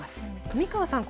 富川さん